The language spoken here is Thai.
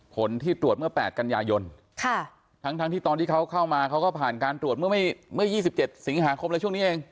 ผลที่ตรวจเมื่อ๘กันยายนทั้งที่ตอนที่เขาเข้ามาเขาก็ผ่านการตรวจเมื่อ๒๗สิงหาคมแล้วช่วงนี้เอง